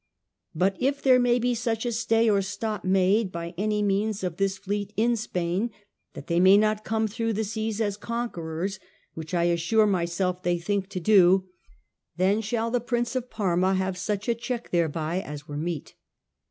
But if there may be such a stay or stop made, by any means of this fleet, in Spain, that they may not come through the seas as conquerors (which I assure myself they think to do), then shall the Prince of Parma have such a check thereby as were meet."